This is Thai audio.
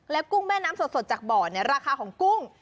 กุ้งแม่น้ำสดจากบ่อราคาของกุ้ง